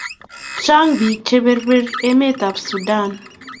Chang pik che berber emet ab sudan